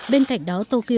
bên cạnh đó tokyo